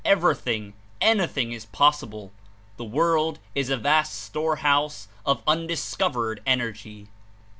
Everything, any thing is possible; the world is a vast storehouse of un discovered energy."